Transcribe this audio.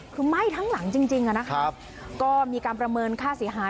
คือไหม้ทั้งหลังจริงจริงอ่ะนะครับก็มีการประเมินค่าเสียหาย